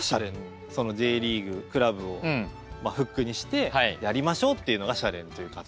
そのＪリーグクラブをフックにしてやりましょうっていうのが「シャレン！」という活動。